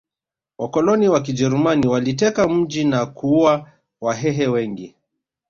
Wakoloni wakijerumani waliteka mji na kuua wahehe wengi